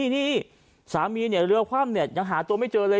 นี่สามีเรือความเหน็จยังหาตัวไม่เจอเลย